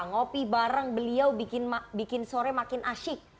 ngopi bareng beliau bikin sore makin asyik